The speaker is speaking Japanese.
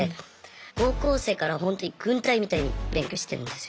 高校生からほんとに軍隊みたいに勉強してるんですよ。